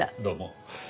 どうも。